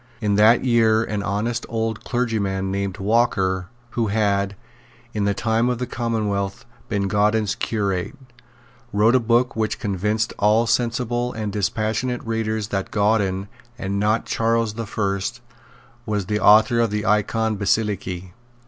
In that year an honest old clergyman named Walker, who had, in the time of the Commonwealth, been Gauden's curate, wrote a book which convinced all sensible and dispassionate readers that Gauden, and not Charles the First, was the author of the Icon Basilike.